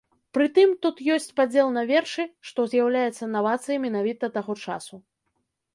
Пры тым, тут ёсць падзел на вершы, што з'яўляецца навацыяй менавіта таго часу.